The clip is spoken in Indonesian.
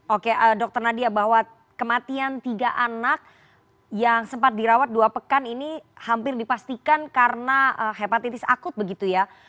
oke dr nadia bahwa kematian tiga anak yang sempat dirawat dua pekan ini hampir dipastikan karena hepatitis akut begitu ya